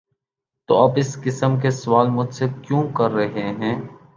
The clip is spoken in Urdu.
‘‘''تو آپ اس قسم کا سوال مجھ سے کیوں کر رہے ہیں؟